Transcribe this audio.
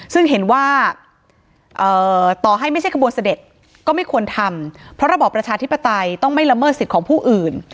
ซึ่งเห็นว่าต่อให้ไม่ใช่ขบวนเสด็จก็ไม่ควรทำเพราะระบอบประชาธิปไตยต้องไม่ละเมิดสิทธิ์ของผู้อื่น